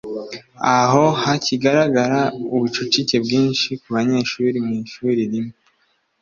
aho hakigaragara ubucucike bwinshi ku banyeshuri mu ishuri rimwe